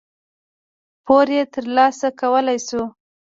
پور یې ترلاسه کولای شو.